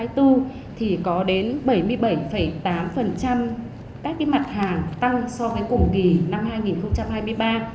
thì có đến bảy mươi bảy tám các mặt hàng tăng so với cùng kỳ năm hai nghìn hai mươi ba